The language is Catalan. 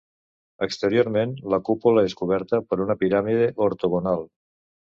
Exteriorment la cúpula és coberta per una piràmide ortogonal.